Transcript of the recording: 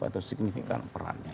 atau signifikan perannya